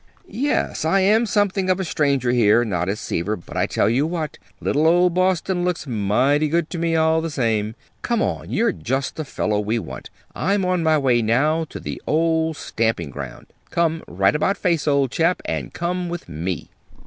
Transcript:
"Yes, I am something of a stranger here," nodded Seaver. "But I tell you what, little old Boston looks mighty good to me, all the same. Come on! You're just the fellow we want. I'm on my way now to the old stamping ground. Come right about face, old chap, and come with me!"